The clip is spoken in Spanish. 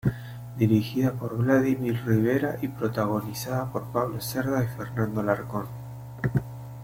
Dirigida por Vladimir Rivera, y protagonizada por Pablo Cerda y Fernando Alarcón.